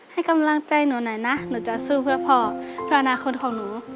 ให้กำลังใจหนูหน่อยนะหนูจะสู้เพื่อพ่อเพื่ออนาคตของหนู